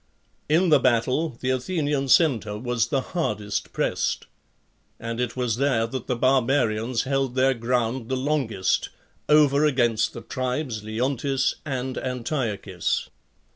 ~ In the battle, the Athenian centre was the hardest pressed, and it was there that the Barbarians held their ground the longest, over against the tribes Leontis and Antiochis.